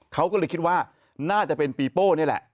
เขาก็เลยคิดว่าน่าจะเป็นปีโป้นี่แหละ